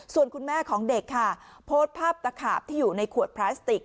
ส่วนคุณแม่ของเด็กค่ะโพสต์ภาพตะขาบที่อยู่ในขวดพลาสติก